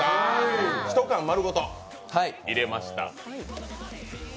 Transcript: １缶まるごと入れました。